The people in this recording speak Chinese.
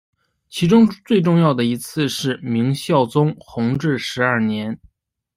其中最重要的一次是明孝宗弘治十二年。